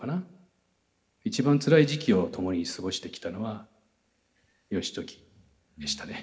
一番つらい時期を共に過ごしてきたのは義時でしたね」。